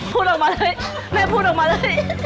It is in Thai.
พูดออกมาเลยแม่พูดออกมาเลย